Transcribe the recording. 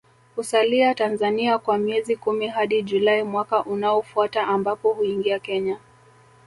Husalia Tanzania kwa miezi kumi hadi Julai mwaka unaofuata ambapo huingia Kenya